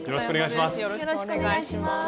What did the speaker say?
よろしくお願いします。